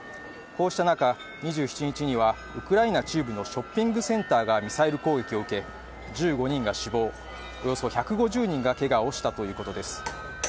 こうした中、２７日にはウクライナ中部のショッピングセンターがミサイル攻撃を受け１５人が死亡、およそ１５０人がけがをしたということです。